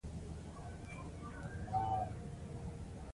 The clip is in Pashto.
مطالعه د انسان منطق پیاوړی کوي او استدلال یې قوي کوي.